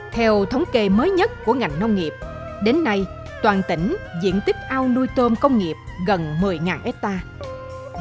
theo thống kê mới nhất của ngành nông nghiệp đến nay toàn tỉnh diện tích ao nuôi tôm công nghiệp gần một mươi hectare